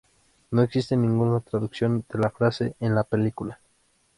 No existe ninguna traducción de la frase en la película.